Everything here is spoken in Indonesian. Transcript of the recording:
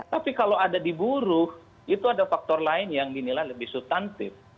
tapi kalau ada di buruh itu ada faktor lain yang dinilai lebih subtantif